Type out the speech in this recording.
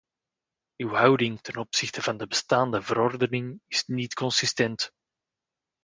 Uw houding ten opzichte van de bestaande verordening is niet consistent.